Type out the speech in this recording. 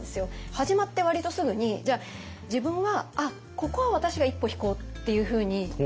始まって割とすぐに自分は「あっここは私が一歩引こう」っていうふうに思ったんですよね。